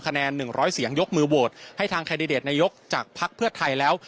คะแนน๑๐๐เสียงยกมือโหวตให้ทางแคนดิเดตนายกจากภักดิ์เพื่อไทยแล้ว